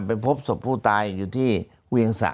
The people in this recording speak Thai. ไปพบศพผู้ตายอยู่ที่เวียงสะ